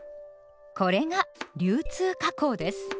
これが「流通加工」です。